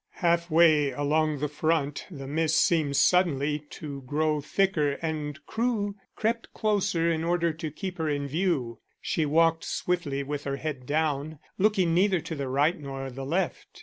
Half way along the front the mist seemed suddenly to grow thicker and Crewe crept closer in order to keep her in view. She walked swiftly with her head down, looking neither to the right nor the left.